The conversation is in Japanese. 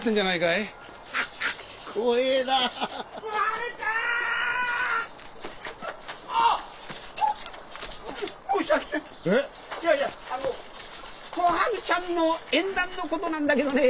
いやいやあの小春ちゃんの縁談の事なんだけどね